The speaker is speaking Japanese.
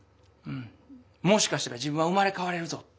「もしかしたら自分は生まれかわれるぞ！」。